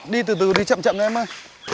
đi từ từ đi chậm chậm thôi em ơi